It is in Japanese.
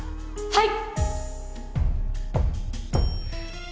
はい？